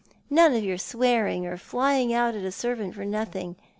None of your swear ing or flying out at a servant for nothing.